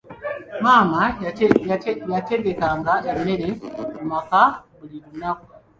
Maama y'ategekanga emmere mu maka buli lunaku.